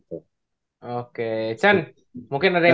oke chan mungkin ada yang